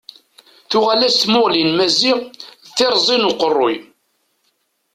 Tuɣal-as tmuɣli n Maziɣ d tirẓi n uqerruy.